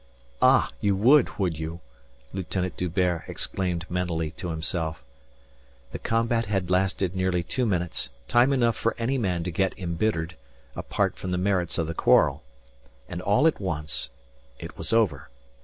"Ah! you would, would you?" Lieutenant D'Hubert exclaimed mentally to himself. The combat had lasted nearly two minutes, time enough for any man to get embittered, apart from the merits of the quarrel. And all at once it was over.